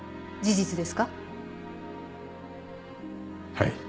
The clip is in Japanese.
はい。